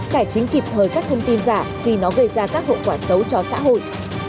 cải chính kịp thời các thông tin giả khi nó gây ra các hậu quả xấu cho xã hội